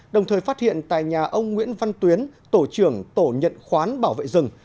đồng thời phát hiện tại nhà ông nguyễn văn tuyến tổ trưởng tổ nhận khoán bảo vệ rừng